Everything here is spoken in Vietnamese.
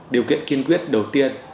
điều kiện kiên quyết đầu tiên